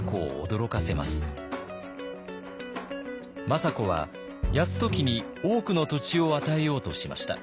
政子は泰時に多くの土地を与えようとしました。